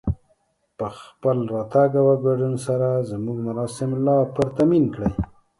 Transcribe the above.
په خپل راتګ او ګډون سره زموږ مراسم لا پرتمين کړئ